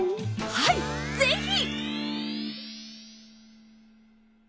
はいぜひ。